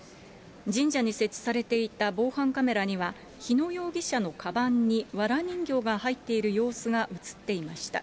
神社に設置されていた防犯カメラには、日野容疑者のかばんにわら人形が入っている様子が写っていました。